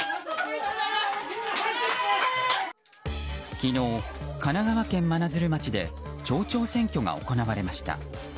昨日、神奈川県真鶴町で町長選挙が行われました。